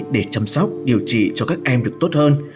để chăm sóc điều trị cho các em được tốt hơn